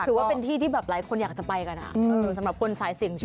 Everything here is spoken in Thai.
ถือว่าเป็นที่ที่แบบหลายคนอยากจะไปกันสำหรับคนสายเสี่ยงโชค